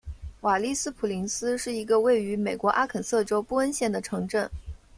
瓦利斯普林斯是一个位于美国阿肯色州布恩县的城镇。